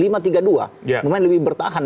memain lebih bertahan